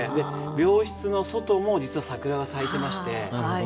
病室の外も実は桜が咲いてまして。